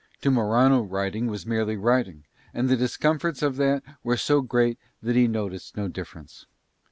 To Morano riding was merely riding, and the discomforts of that were so great that he noticed no difference.